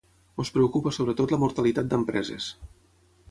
Ens preocupa sobretot la mortalitat d’empreses.